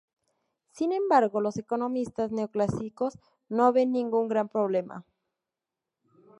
Sin embargo, los economistas neoclásicos no ven ningún gran problema.